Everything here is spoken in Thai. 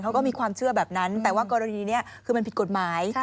เขาก็มีความเชื่อแบบนั้นแต่ว่ากรณีนี้คือมันผิดกฎหมาย